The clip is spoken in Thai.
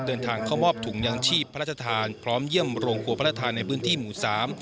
เดินทางเข้ามอบถุงยางชีพพระราชทานพร้อมเยี่ยมโรงครัวพระราชทานในพื้นที่หมู่สาม